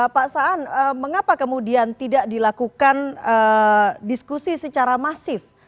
pak saan mengapa kemudian tidak dilakukan diskusi secara masif